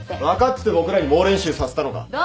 分かってて僕らに猛練習させたのか。